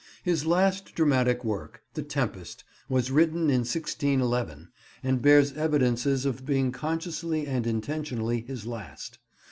His last dramatic work, The Tempest, was written in 1611, and bears evidences of being consciously and intentionally his last.